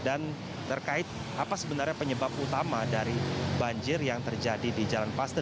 dan terkait apa sebenarnya penyebab utama dari banjir yang terjadi di jalan pasir